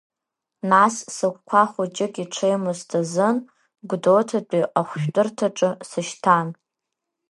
Нас сыгәқәа хәыҷык иҽеимызт азын Гәдоуҭатәи ахәшәтәырҭаҿы сышьҭан.